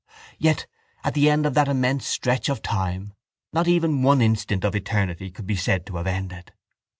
Yet at the end of that immense stretch of time not even one instant of eternity could be said to have ended.